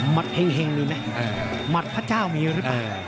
มัดแห่งดูเนี่ยมัดพระเจ้ามีหรือเปล่า